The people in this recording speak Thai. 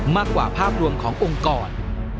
มากกว่าภาพรวมขององค์กร